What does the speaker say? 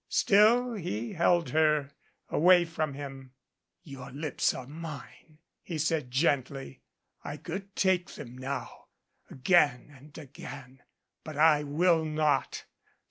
Still he held her away from him. "Your lips are mine," he said gently, "I could take them now again and again. But I will not.